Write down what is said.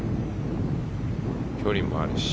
距離もあるし。